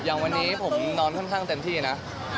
อย่างวันนี้ผมนอนค่อนข้างเต็มที่นะ